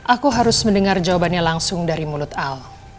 aku harus mendengar jawabannya langsung dari mulut al